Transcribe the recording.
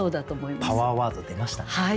パワーワード出ましたね。